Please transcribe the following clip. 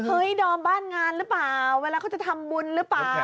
ดอมบ้านงานหรือเปล่าเวลาเขาจะทำบุญหรือเปล่า